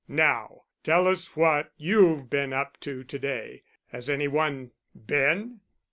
"Now, tell us what you've been up to to day. Has any one been?"